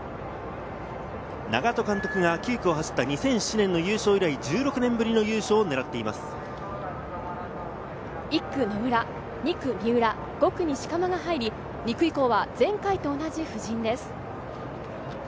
長門監督が９区を走った２００７年の優勝以来、１６年ぶりの優勝をねらって１区・野村、２区・三浦、５区に四釜が入りに、２区以降は前回と同じ布陣です。